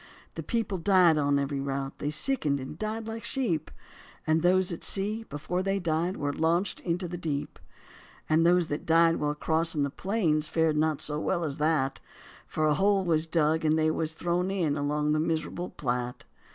The people died on every route, they sickened and died like sheep; And those at sea before they died were launched into the deep; And those that died while crossing the plains fared not so well as that, For a hole was dug and they thrown in along the miserable Platte.